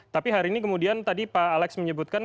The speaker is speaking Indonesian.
tapi hari ini kemudian tadi pak alex menyebutkan